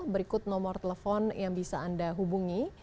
berikut nomor telepon yang bisa anda hubungi